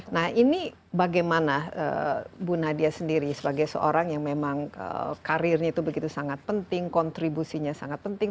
nah ini bagaimana bu nadia sendiri sebagai seorang yang memang karirnya itu begitu sangat penting kontribusinya sangat penting